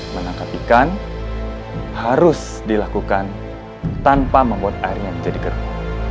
menangkap ikan harus dilakukan tanpa membuat airnya menjadi gerbong